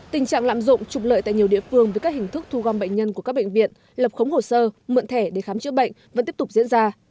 tình trạng lạm dụng trục lợi tại nhiều địa phương với các hình thức thu gom bệnh nhân của các bệnh viện lập khống hồ sơ mượn thẻ để khám chữa bệnh vẫn tiếp tục diễn ra